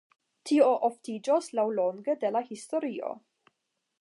Tio oftiĝos laŭlonge de la historio.